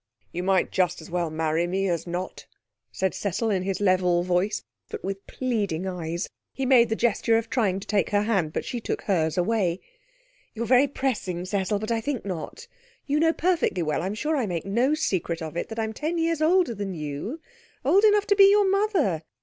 'You might just as well marry me as not,' said Cecil, in his level voice, but with pleading eyes. He made the gesture of trying to take her hand, but she took hers away. 'You are very pressing, Cecil, but I think not. You know perfectly well I'm sure I make no secret of it that I'm ten years older than you. Old enough to be your mother!